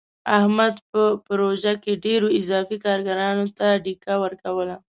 احمد په پروژه کې ډېرو اضافي کارګرانو ته ډیکه ورکړله.